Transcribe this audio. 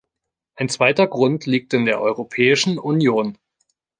Ein zweiter Grund liegt in der Europäischen Union.